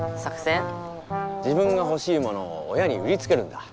自分がほしいものを親に売りつけるんだ。